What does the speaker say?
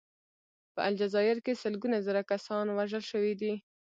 په الجزایر کې سلګونه زره کسان وژل شوي دي.